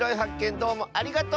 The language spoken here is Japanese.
どうもありがとう！